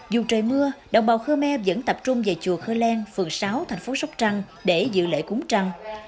dù trời mưa đồng bào khơ me vẫn tập trung về chùa khơ len phường sáu thành phố sóc trăng để dự lễ cúng trăng